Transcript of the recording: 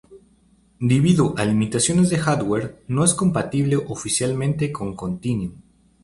Debido a limitaciones de hardware, no es compatible oficialmente con Continuum.